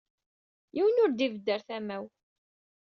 Yiwen ur d-ibedd ɣer tama-w.